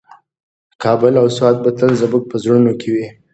کابل او سوات به تل زموږ په زړونو کې وي.